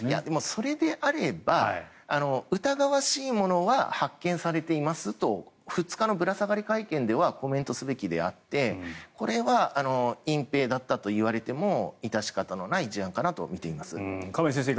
それであれば疑わしいものは発見されていますと２日のぶら下がり会見ではコメントすべきであってこれは隠ぺいだったと言われても致し方ない事案だなと思っています。